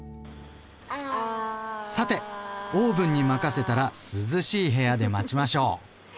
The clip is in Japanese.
さてオーブンに任せたら涼しい部屋で待ちましょう。